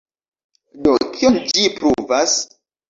Do kion ĝi pruvas?